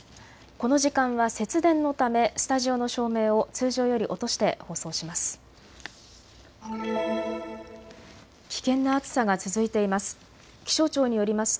この時間は節電のためスタジオの照明を通常より落として放送します。